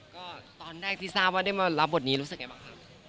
ก็ตอนแรกที่ทราบว่าได้มารับบทนี้รู้สึกไงบ้างครับ